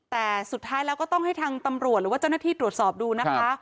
แต่สุดท้ายแล้วก็ต้องให้ทางตำรวจหรือว่าเจ้าหน้าที่ตรวจสอบดูนะคะ